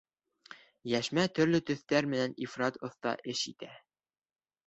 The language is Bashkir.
— Йәшмә төрлө төҫтәр менән ифрат оҫта эш итә.